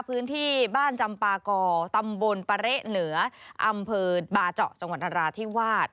พื้นที่บ้านจำปากอตำบลปะเละเหนืออำเภอบาเจาะจังหวัดนราธิวาส